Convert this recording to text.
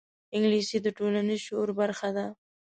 انګلیسي د ټولنیز شعور برخه ده